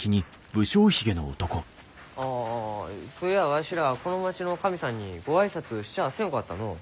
ああそういやわしらこの町の神さんにご挨拶しちゃあせんかったのう。